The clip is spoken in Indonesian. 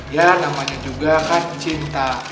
ya namanya juga kan cinta